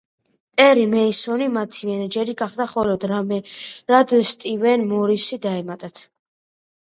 ტერი მეისონი მათი მენეჯერი გახდა, ხოლო დრამერად სტივენ მორისი დაემატათ.